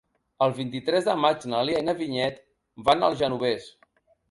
El vint-i-tres de maig na Lea i na Vinyet van al Genovés.